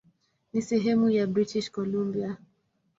Ni sehemu ya British Columbia.